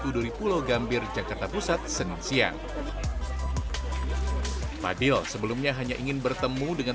duduli pulau gambir jakarta pusat senin siang fadil sebelumnya hanya ingin bertemu dengan